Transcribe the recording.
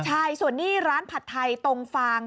ใช่ส่วนนี้ร้านผัดไทยตรงฟาง